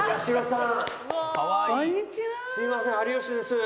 すみません有吉です。